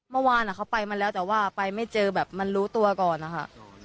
เมื่อวานเขาไปมาแล้วแต่ว่าไปไม่เจอแบบมันรู้ตัวก่อนนะคะ